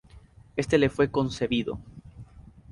Este le fue concebido.